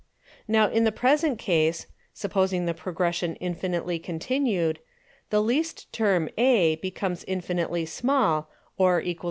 Now in the present Case, (supposing the Progression infinitely continued) the least Term A, becomes infinitely small, or = 0.